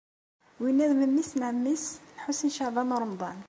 Winna d memmi-s n ɛemmi-s n Lḥusin n Caɛban u Ṛemḍan.